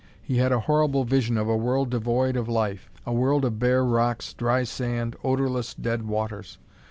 He had a horrible vision of a world devoid of life, a world of bare rocks, dry sand, odorless, dead waters.